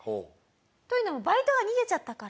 というのもバイトが逃げちゃったから。